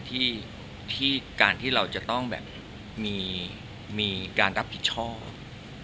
ที่การที่เราจะต้องแบบมีการรับผิดชอบ